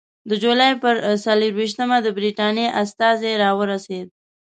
د جولای پر څلېرویشتمه د برټانیې استازی راورسېد.